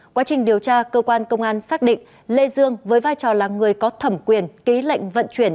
quá trình điều tra cơ quan công an xác định lê dương với vai trò là người có thẩm quyền ký lệnh vận chuyển